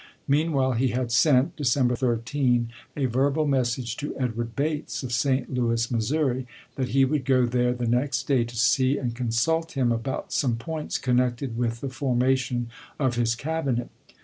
Meanwhile he had sent (December 13) a verbal message to Edward Bates, of St. Louis, Missouri, that he would go there the next day to see and consult him about some points connected with the formation of his Cabinet.